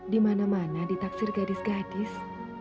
di mana mana ditaksir gadis gadis